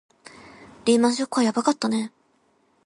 リーマンショックはやばかったね